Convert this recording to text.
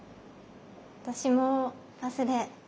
私もパスで。